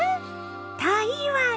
台湾？